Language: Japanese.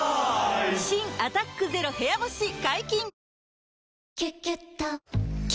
新「アタックＺＥＲＯ部屋干し」解禁‼